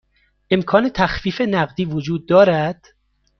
امکان تخفیف نقدی وجود دارد؟